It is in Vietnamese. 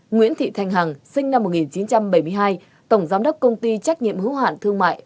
nguyễn thị thanh hằng sinh năm một nghìn chín trăm bảy mươi hai tổng giám đốc công ty trách nhiệm hữu hạn thương mại